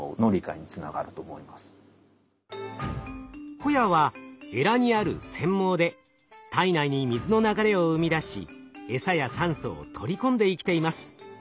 ホヤはエラにある繊毛で体内に水の流れを生み出しエサや酸素を取り込んで生きています。